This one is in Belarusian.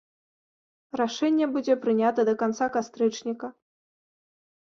Рашэнне будзе прынята да канца кастрычніка.